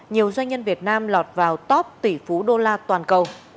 nhiều doanh nhân việt nam lọt vào top tỷ phú đô la toàn cầu